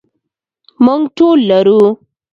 موږ ټول لرو.